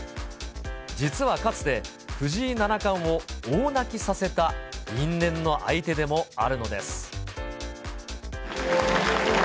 実はかつて、藤井七冠を大泣きさせた因縁の相手でもあるのです。